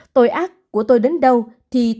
tôi ác của tôi đến đâu thì tôi sẽ